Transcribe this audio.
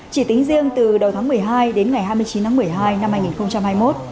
chỉ tính riêng từ đầu tháng một mươi hai đến ngày hai mươi chín tháng một mươi hai năm hai nghìn hai mươi một